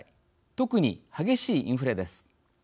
特に激しいインフレです。